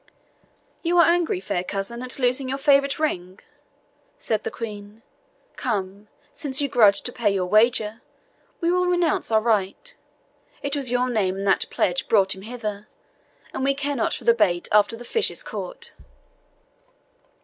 "You are angry, fair cousin, at losing your favourite ring," said the Queen. "Come, since you grudge to pay your wager, we will renounce our right; it was your name and that pledge brought him hither, and we care not for the bait after the fish is caught."